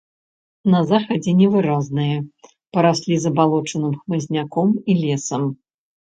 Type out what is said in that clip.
На захадзе невыразныя, параслі забалочаным хмызняком і лесам.